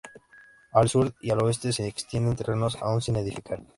Al sur y al oeste se extienden terrenos aún sin edificar.